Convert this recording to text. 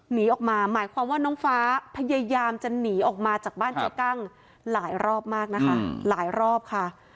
หนีออกมาหมายความว่าน้องฟ้าพยายามจะหนีออกมาจากบ้านเจ๊กั้งหลายรอบมากนะคะหลายรอบค่ะ